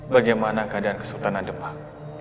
bagaimana keadaan kesultanan demak